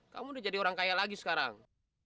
kamu udah jadi orang kaya lagi sekarang